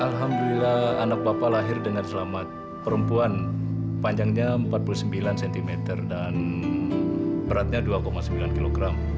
alhamdulillah anak bapak lahir dengan selamat perempuan panjangnya empat puluh sembilan cm dan beratnya dua sembilan kg